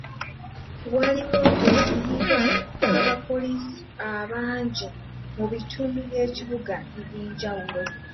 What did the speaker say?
Waaliwo okuyiibwa kw'abapoliisi abangi mu bitundu by'ekibuga eby'enjawulo.